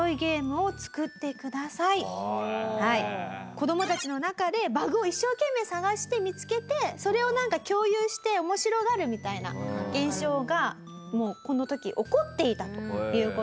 子どもたちの中でバグを一生懸命探して見つけてそれをなんか共有して面白がるみたいな現象がもうこの時起こっていたという事なんですよ。